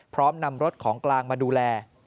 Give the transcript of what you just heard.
พร้อมนำรถของกลางมาดูแล